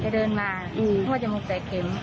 แก่เดินมาเพราะว่าจมูกแตกเข็ม